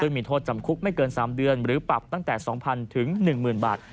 ซึ่งมีโทษจำคุกไม่เกินสามเดือนหรือปรับตั้งแต่สองพันถึงหนึ่งหมื่นบาท